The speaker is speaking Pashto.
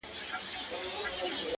دی پاچا هغه فقیر دا څنګه کیږي؟؛